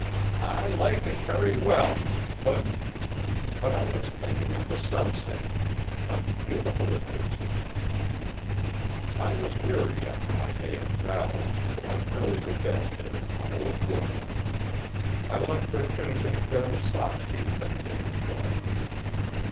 'I liked it very well but but I was thinking of the sunset. How beautiful it is. I was weary after my day of travel and went early to bed there in my old room. I left her finishing a pair of socks she had been knitting for me.